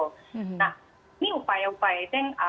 nah ini upaya upaya itu yang